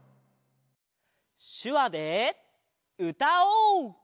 しゅわでうたおう！